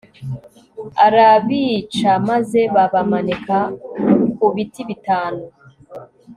arabica maze babamanika ku biti bitanu